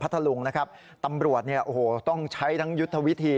ทะลุงนะครับตำรวจเนี่ยโอ้โหต้องใช้ทั้งยุทธวิธี